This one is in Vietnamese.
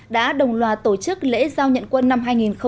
đã đồng loà tổ chức lễ giao nhận quân năm hai nghìn một mươi chín